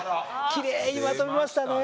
きれいにまとめましたね！